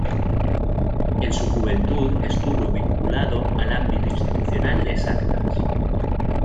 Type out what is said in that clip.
En su juventud estuvo vinculado al ámbito institucional de Exactas.